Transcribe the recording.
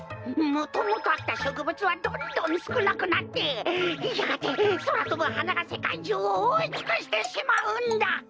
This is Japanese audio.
もともとあったしょくぶつはどんどんすくなくなってやがてそらとぶはながせかいじゅうをおおいつくしてしまうんだ。